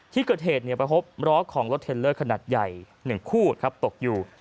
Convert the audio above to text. ที่เกิดเหตุไปพบร้อของรถเทลเลอร์ขนาดใหญ่๑คู่ครับตกอยู่